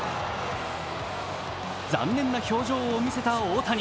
残念な表情を見せた大谷。